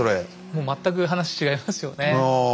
もう全く話違いますよね。